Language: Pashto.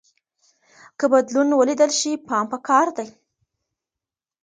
که بدلون ولیدل شي پام پکار دی.